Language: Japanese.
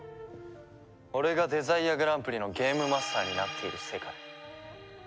「俺がデザイアグランプリのゲームマスターになっている世界」。